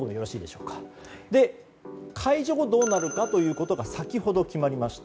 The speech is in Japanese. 解除後、どうなるかということが先ほど決まりました。